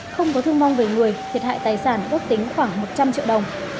không có thương vong về người thiệt hại tài sản ước tính khoảng một trăm linh triệu đồng